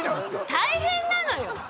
大変なのよ。